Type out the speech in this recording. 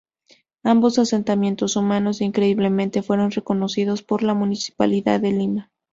Ambos asentamientos humanos, increíblemente, fueron reconocidos por la Municipalidad de Lima.